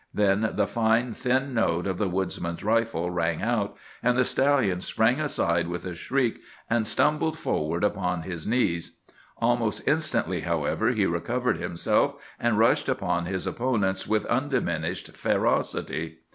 Then the fine, thin note of the woodsman's rifle rang out; and the stallion sprang aside with a shriek, and stumbled forward upon his knees. Almost instantly, however, he recovered himself, and rushed upon his opponents with undiminished ferocity.